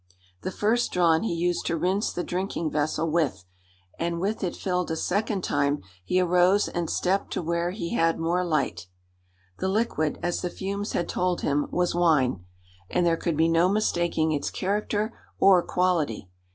The first drawn he used to rinse the drinking vessel with, and with it filled a second time he arose and stepped to where he had more light. The liquid, as the fumes had told him, was wine, and there could be no mistaking its character or quality.